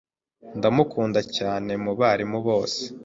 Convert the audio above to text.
Ndamukunda cyane mubarimu bose.